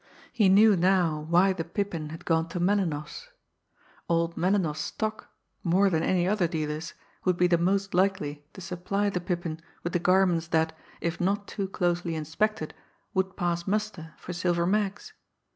He knew now why the Pippin had gone to Melinoff's old Melinoff's stock, more than any other dealer's, would be the most likely to supply the Pippin with the garments that, if not too closely inspected, would pass muster for Silver Mag's.